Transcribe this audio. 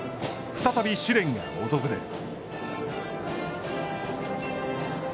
再び試練が訪れる。